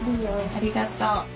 ありがとう。